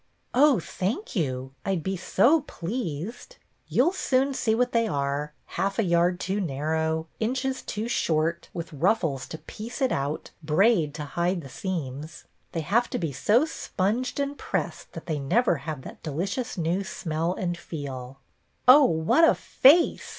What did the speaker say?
" Oh, thank you. I 'd be so pleased." "You'll soon see what they are, — half a yard too narrow, inches too short, with ruffles to piece it out, braid to hide the seams. They have to be so sponged and pressed that they never have that delicious new smell and feel." " Oh, what a face